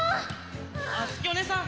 あづきおねえさん！